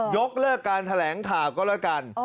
ยกเลิกการแถลงข่าวก็แล้วกัน